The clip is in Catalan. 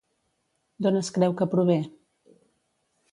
D'on es creu que prové?